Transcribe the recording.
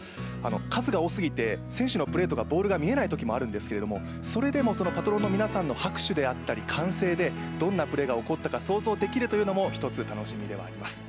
数が多すぎて選手のプレーとかボールが見えないときもあるんですけれどそれでもパトロンの皆さんの拍手であったり歓声でどんなプレーが起こったか想像できるというのも一つ楽しみであります。